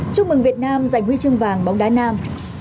chúc mừng việt nam giành huy chương vàng bóng đá nam